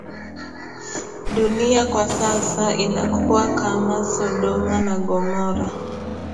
Dunia kwa sasa inakuwa kama sodoma na gomora